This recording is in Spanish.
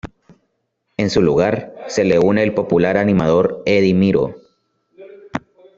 En su lugar, se le une el popular animador Eddie Miro.